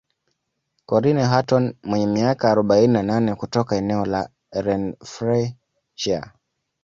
Corinne Hutton mwenye miaka arobaini na nane kutoka eneo la Renfrewshire